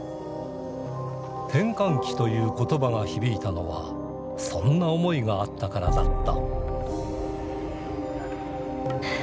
「転換期」という言葉が響いたのはそんな思いがあったからだった。